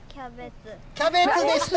キャベツでした。